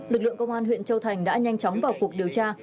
lực lượng công an huyện châu thành đã nhanh chóng vào cuộc điều tra